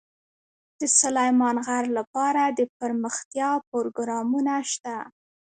د سلیمان غر لپاره دپرمختیا پروګرامونه شته.